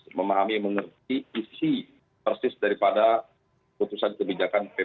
dan harus memahami mengerti isi persis dari pada cutusan kebijakan ppk rf